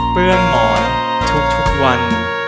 เปลื้องหมอนทุกวัน